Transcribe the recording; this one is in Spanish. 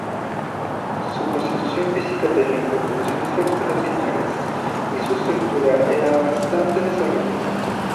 Su constitución física tenía proporciones extraordinarias y su estatura era bastante desarrollada.